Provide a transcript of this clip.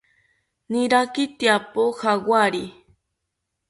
Niraki tyapo jawari